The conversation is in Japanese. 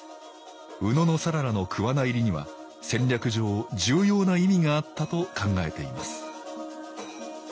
野讃良の桑名入りには戦略上重要な意味があったと考えています